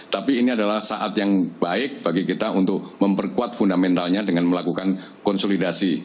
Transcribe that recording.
tapi ini adalah saat yang baik bagi kita untuk memperkuat fundamentalnya dengan melakukan konsolidasi